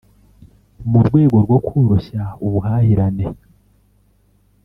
mu rwego rwo koroshya ubuhahirane